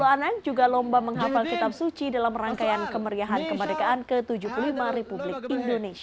lima puluh an juga lomba menghafal kitab suci dalam rangkaian kemeriahan kemerdekaan ke tujuh puluh lima ri